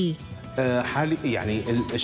หลังจากเกิดสงครามกลางเมืองมา๕ปี